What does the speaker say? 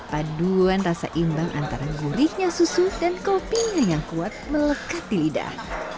paduan rasa imbang antara gurihnya susu dan kopinya yang kuat melekat di lidah